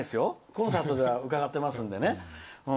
コンサートでは伺ってますので。